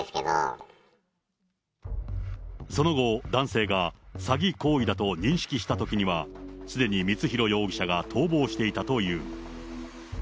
その後、男性が詐欺行為だと認識したときには、すでに光弘容疑者が逃亡していたという。